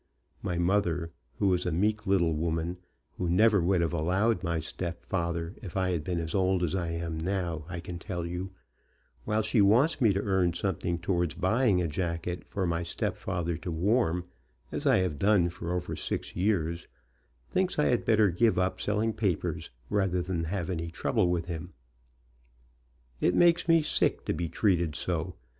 My mother, who is a meek little woman, who never would have married my stepfather if I had been as old as I am now, I can tell you, while she wants me to earn something towards buying a jacket for my stepfather to warm, as I have done for over six years, thinks I had better give up selling papers rather than have any trouble with him. It makes me sick to be treated so.